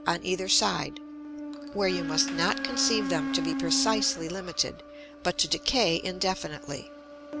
on either side; where you must not conceive them to be precisely limited, but to decay indefinitely.